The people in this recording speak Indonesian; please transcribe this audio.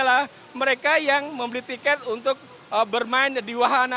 adalah mereka yang membeli tiket untuk bermain di wahana